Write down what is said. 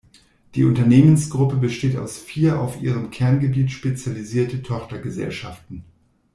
Die Unternehmensgruppe besteht aus vier auf ihrem Kerngebiet spezialisierte Tochtergesellschaften.